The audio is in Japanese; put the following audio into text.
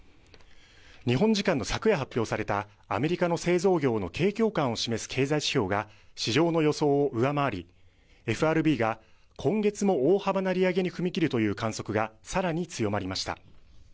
日本時間の昨夜発表されたアメリカの製造業の景況感を示す経済指標が市場の予想を上回り、ＦＲＢが今月も大幅な利上げに踏み切るという観測がさらに強まりました。